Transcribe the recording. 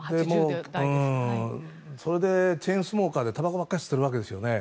それでチェーンスモーカーでたばこばっかり吸ってるわけですよね。